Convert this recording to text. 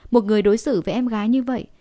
một người đối xử với em gái như vậy